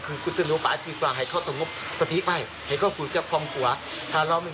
คือมันรู้ป่าที่กลางให้ก็สงบสะติอารมณ์ไป